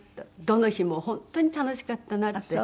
どの日も本当に楽しかったなって。